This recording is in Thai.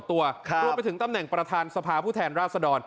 เลือกตามแผ่นตำแหน่งประทานสภาผู้แทนราชสะดอน